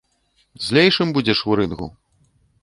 Злейшым будзеш у рынгу.